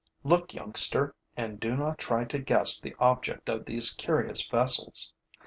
Look, youngster, and do not try to guess the object of these curious vessels.